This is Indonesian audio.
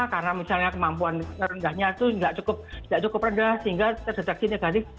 karena misalnya kemampuan rendahnya itu nggak cukup rendah sehingga terdeteksi negatif